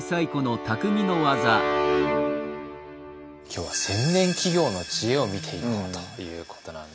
今日は千年企業の知恵を見ていこうということなんですね。